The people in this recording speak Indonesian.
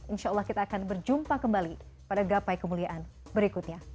insya allah kita akan berjumpa kembali pada gapai kemuliaan berikutnya